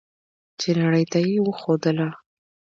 چې نړۍ ته یې وښودله.